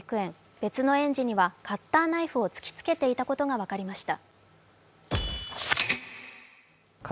別の園児にはカッターナイフを突きつけていたことが分かりました。